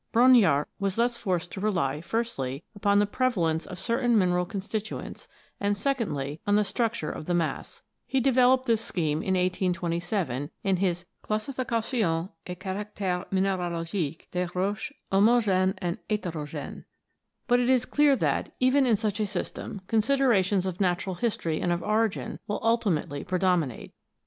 Brongniart was thus forced to rely, firstly, upon the prevalence of certain mineral constituents, and, secondly, on the structure of the mass. He developed this scheme in 1827, in his "Classification et caracteres mineralo giques des Roches homog&nes et heterogenes" ; but it is clear that, even in such a system, considerations of natural history and of origin will ultimately pre dominate.